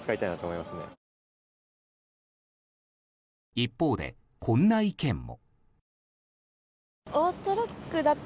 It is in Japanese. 一方で、こんな意見も。